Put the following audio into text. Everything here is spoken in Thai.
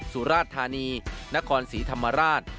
สุราชธานีนครศรีธรรมราช